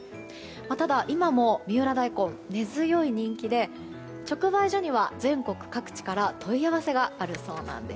ただ、今も三浦大根は根強い人気で直売所には全国各地から問い合わせがあるそうなんです。